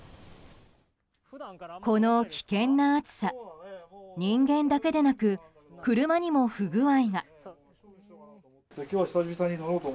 この危険な暑さ人間だけでなく車にも不具合が。